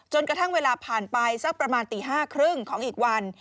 กระทั่งเวลาผ่านไปสักประมาณตี๕๓๐ของอีกวัน